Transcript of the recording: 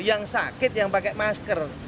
yang sakit yang pakai masker